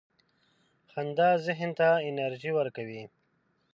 • خندا ذهن ته انرژي ورکوي.